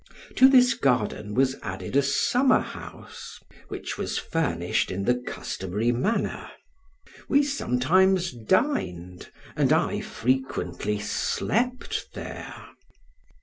to this garden was added a summer house, which was furnished in the customary manner; we sometimes dined, and I frequently slept, there.